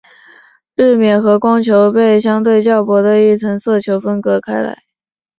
日冕和光球被相对较薄的一层色球分隔开来。